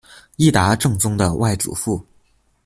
伊达政宗的外祖父。